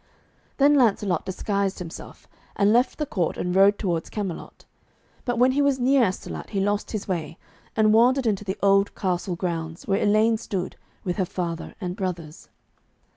Then Lancelot disguised himself, and left the court and rode towards Camelot. But when he was near Astolat he lost his way, and wandered into the old castle grounds, where Elaine stood, with her father and brothers.